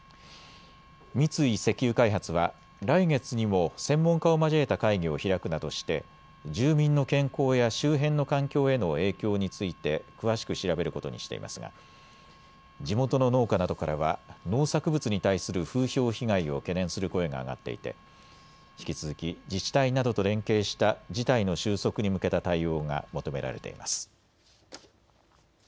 三井石油開発は来月にも専門家を交えた会議を開くなどして住民の健康や周辺の環境への影響について詳しく調べることにしていますが地元の農家などからは農作物に対する風評被害を懸念する声が上がっていて引き続き自治体などと連携した事態の収束に向けた対応が求められています。